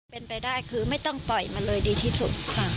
เป็นไปได้คือไม่ต้องปล่อยมาเลยดีที่สุดค่ะ